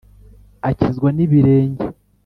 Akizwa n'ibirenge